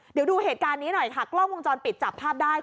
เดี๋ยวดูเหตุการณ์นี้หน่อยค่ะกล้องวงจรปิดจับภาพได้